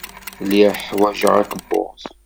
Lliɣ ḥwajeɣ akebbuḍ.